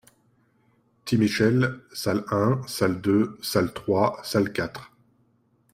Ti Michel : salle un, salle deux, salle trois, salle quatre.